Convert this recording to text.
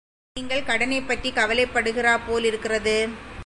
நீங்கள் கடனைப் பற்றிக் கவலைப்படுகிறாப் போலிருக்கிறது.